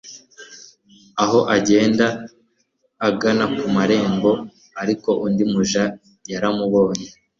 aho agenda agana ku marembo ariko undi muja yaramubonye